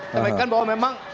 sehingga bahwa memang